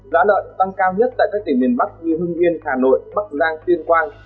giá lợn tăng cao nhất tại các tỉnh miền bắc như hưng yên hà nội bắc giang tuyên quang